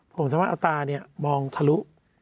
ผมสามารถเอาตาเนี่ยมองทะลุ